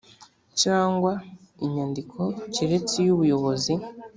cyangwa inyandiko keretse iyo ubuyobozi